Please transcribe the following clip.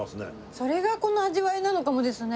それがこの味わいなのかもですね。